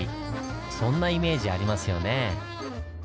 そんなイメージありますよね。